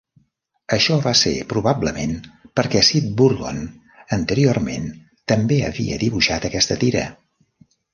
Això va ser probablement perquè Sid Burgon anteriorment també havia dibuixat aquesta tira.